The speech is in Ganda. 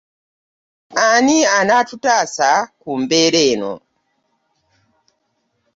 Ani anaatutaasa ku mbeera eno?